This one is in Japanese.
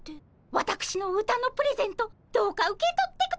わたくしの歌のプレゼントどうか受け取ってくださいませ。